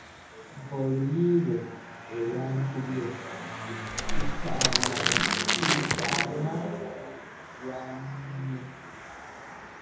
Oluyi lwe yankubye kutama lwannumye.